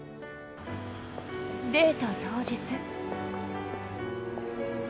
デート当日。